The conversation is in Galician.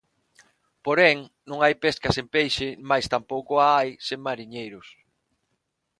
Porén, non hai pesca sen peixe mais tampouco a hai sen mariñeiros.